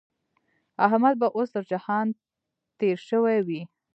احمد به اوس تر جهان تېری شوی وي.